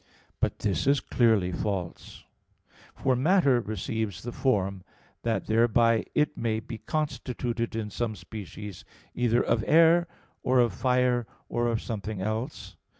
But this is clearly false. For matter receives the form, that thereby it may be constituted in some species, either of air, or of fire, or of something else.